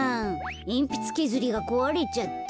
えんぴつけずりがこわれちゃった。